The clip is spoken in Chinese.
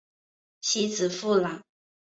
其子苻朗。